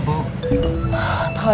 bapak apa kabar